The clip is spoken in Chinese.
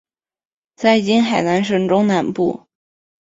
在今海南省中南部。